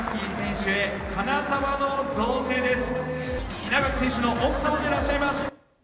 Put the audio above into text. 稲垣選手の奥様でいらっしゃいます。